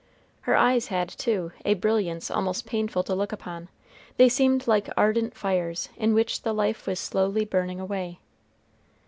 Her eyes had, too, a brilliancy almost painful to look upon. They seemed like ardent fires, in which the life was slowly burning away.